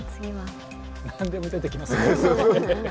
何でも出てきますね。